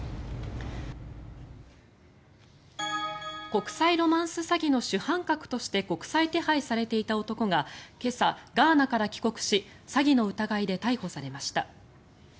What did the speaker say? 国際ロマンス詐欺の主犯格として国際手配されていた男が今朝、ガーナから帰国し詐欺の疑いで逮捕されました。